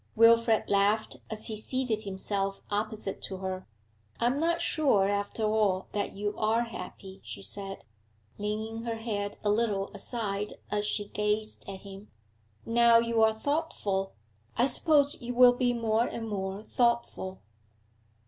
Wilfrid laughed as he seated himself opposite to her. 'I am not sure, after all, that you are happy,' she said, leaning her head a little aside as she gazed at him. 'Now you are thoughtful. I suppose you will be more and more thoughtful.'